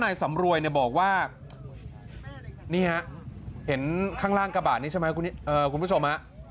สำรวยเนี่ยบอกว่านี่ฮะเห็นข้างล่างกระบาดนี้ใช่ไหมคุณผู้ชมฮะ